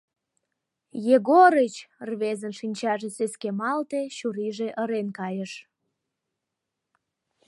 — Егорыч! — рвезын шинчаже сескемалте, чурийже ырен кайыш.